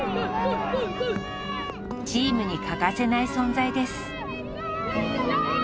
チームに欠かせない存在です。